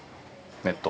ネット。